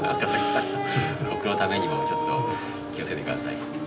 僕のためにもちょっと気をつけて下さい。